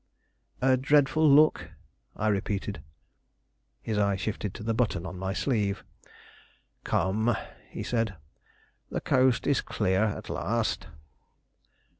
"A dreadful look," I repeated. His eye shifted to the button on my sleeve. "Come," he said, "the coast is clear at last."